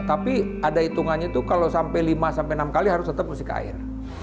tapi ada hitungannya itu kalau sampai lima enam kali harus tetap bersihkan air